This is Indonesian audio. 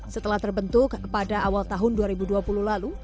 setelah terbentuk pada awal tahun dua ribu dua puluh lalu